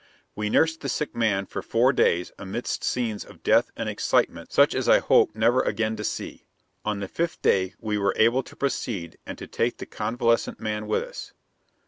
We nursed the sick man for four days amidst scenes of death and excitement such as I hope never again to see. On the fifth day we were able to proceed and to take the convalescent man with us.